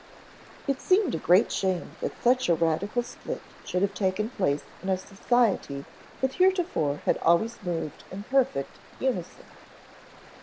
It seemed a great shame that such a radical split should have taken place in a society that heretofore had always moved in perfect unison.